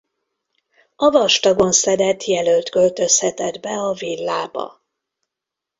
A vastagon szedett jelölt költözhetett be a villába.